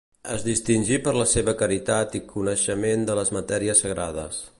Es distingí per la seva caritat i coneixement de les matèries sagrades.